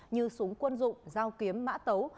như súng quân dụng dao kiếm mã tấu